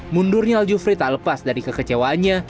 mundurnya al jufri tak lepas dari kekecewaannya